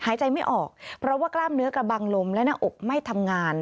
หายใจไม่ออกเพราะว่ากล้ามเนื้อกระบังลมและหน้าอกไม่ทำงาน